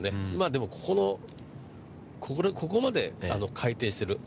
でも、ここまで回転してる。